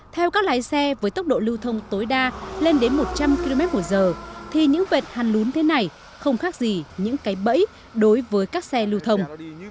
theo các lái xe với tốc độ lưu thông tối đa lên đến một trăm linh kmh thì những vệt hằn lún thế này không khác gì những cái bẫy đối với các xe lưu thông